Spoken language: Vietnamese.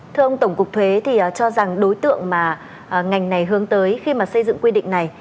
thưa ông tổng cục thuế thì cho rằng đối tượng mà ngành này hướng tới khi mà xây dựng quy định này